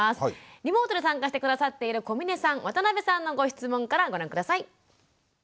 リモートで参加して下さっている小峰さん渡邊さんのご質問からご覧下さい。